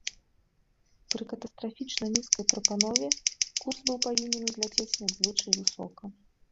Пры катастрафічна нізкай прапанове курс быў павінен узляцець надзвычай высока.